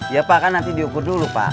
ya pak kan nanti diukur dulu pak